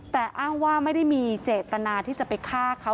แต่อ้างว่าไม่ได้มีเจตนาที่จะไปฆ่าเขา